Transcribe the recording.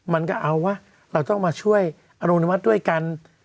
มันก็เอาวะเราต้องมาช่วยอรุณวัฒน์ด้วยกัน